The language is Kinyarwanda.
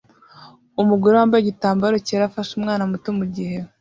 Umugore wambaye igitambara cyera afashe umwana muto mugihe